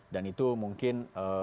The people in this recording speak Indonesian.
dan itu mungkin